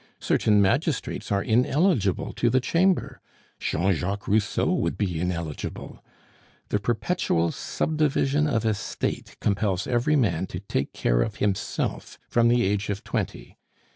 Certain magistrates are ineligible to the Chamber; Jean Jacques Rousseau would be ineligible! The perpetual subdivision of estate compels every man to take care of himself from the age of twenty.